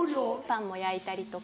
パンも焼いたりとか。